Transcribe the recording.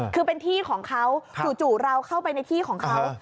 คือเป็นที่ของเขาจู่เราเข้าไปในที่ของเขา